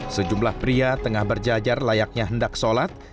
sejumlah pria tengah berjajar layaknya hendak sholat